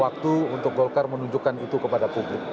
waktu untuk golkar menunjukkan itu kepada publik